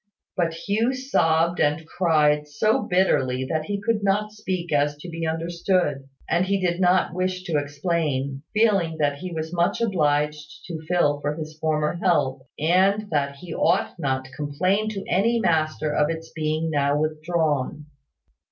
But Hugh sobbed and cried so bitterly that he could not speak so as to be understood; and he did not wish to explain, feeling that he was much obliged to Phil for his former help, and that he ought not to complain to any master of its being now withdrawn.